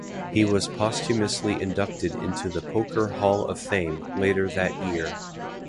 He was posthumously inducted into the Poker Hall of Fame later that year.